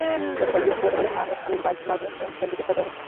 গতকাল বৃহস্পতিবার সকালে হানেফ আলীর ভাগনে নুর ইসলামকে গ্রেপ্তার করা হয়েছে।